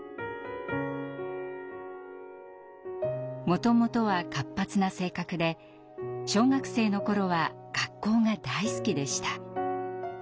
もともとは活発な性格で小学生の頃は学校が大好きでした。